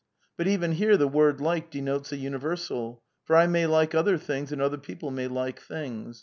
But even here the word 'like' denotes a universal, for I may like other thing? and other people may like things.